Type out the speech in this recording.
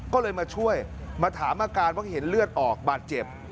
ก็เลยมาช่วยมาถามอาการว่าเห็นเลือดออกบาดเจ็บ